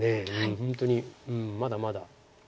本当にまだまだ。